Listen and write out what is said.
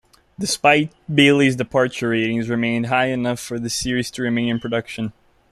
Despite Bayly's departure ratings remained high enough for the series to remain in production.